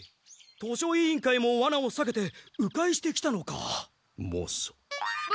図書委員会もワナをさけてうかいしてきたのか。